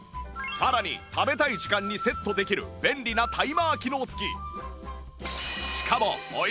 さらに食べたい時間にセットできる便利なタイマー機能付き